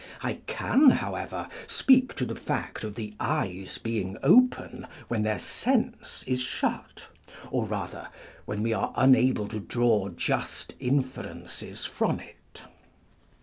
I can, however, speak to the fact of the eyes being open when their sense is shut ; or rather, when we are unable to draw just inferences from it.